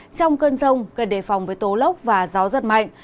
trong cơn rông gần đề phòng với tố lốc và gió rất mạnh